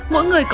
mỗi người tất cả